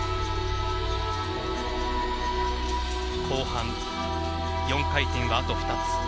後半、４回転はあと２つ。